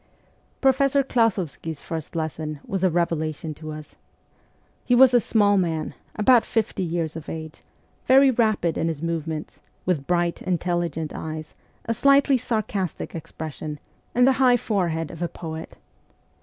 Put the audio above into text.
Professor Klasovsky's first lesson was a revelation to us. He was a small man, about fifty years of age, very rapid in his movements, with bright, intelligent eyes, a slightly sarcastic expression, and the high forehead of a poet.